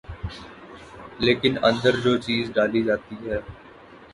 لیکن اندر جو چیز ڈالی جاتی ہے۔